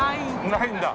ないんだ。